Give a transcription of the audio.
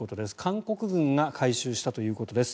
韓国軍が回収したということです。